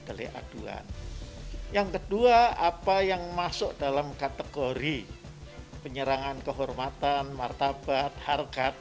delik aduan yang kedua apa yang masuk dalam kategori penyerangan kehormatan martabat harkat